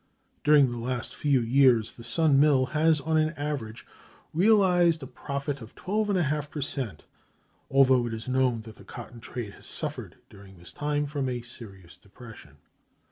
During the last few years the Sun Mill has on an average realized a profit of 12 ½ per cent, although it is known that the cotton trade has suffered during this time from a serious depression.